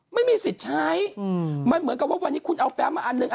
ไม่มีสิทธิ์ใช้เหมือนกับวันนี้คุณเอาแพลกมาอันนึง